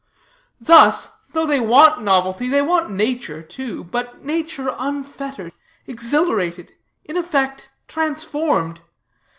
Thus, though they want novelty, they want nature, too; but nature unfettered, exhilarated, in effect transformed.